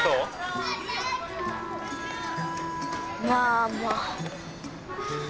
まあまあ。